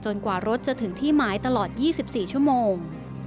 กว่ารถจะถึงที่หมายตลอด๒๔ชั่วโมง